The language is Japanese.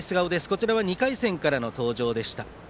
こちらは２回戦からの登場でした。